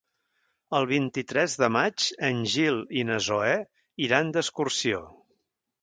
El vint-i-tres de maig en Gil i na Zoè iran d'excursió.